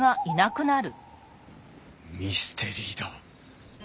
ミステリーだ。